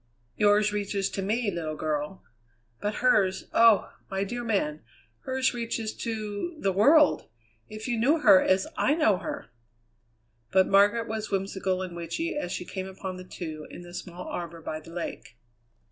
"Yours reaches to me, little girl." "But hers oh! my dear man, hers reaches to the world. If you knew her as I know her!" But Margaret was whimsical and witchy as she came upon the two in the small arbour by the lake.